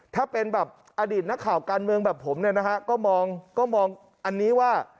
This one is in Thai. ถ้าเป็นแบบอดิตนข่าการเมืองเหมือนผมนะฮะ